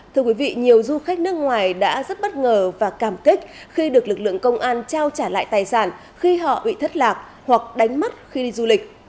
thưa quý vị nhiều du khách nước ngoài đã rất bất ngờ và cảm kích khi được lực lượng công an trao trả lại tài sản khi họ bị thất lạc hoặc đánh mất khi đi du lịch